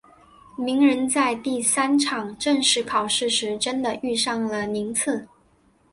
鸣人在第三场正式考试时真的遇上了宁次。